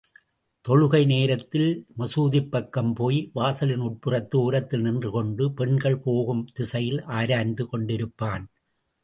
தொழுகை நேரத்திலே மசூதிப்பக்கம் போய், வாசலின் உட்புறத்து ஓரத்திலே நின்று கொண்டு, பெண்கள் போகும் திசையிலே ஆராய்ந்து கொண்டிருப்பான்.